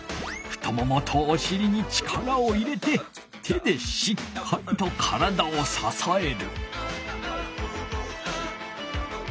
太ももとおしりに力を入れて手でしっかりと体をささえる。